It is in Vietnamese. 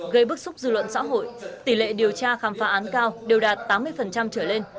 gây bức xúc dư luận xã hội tỷ lệ điều tra khám phá án cao đều đạt tám mươi trở lên